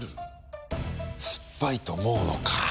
すっぱいとおもうのか。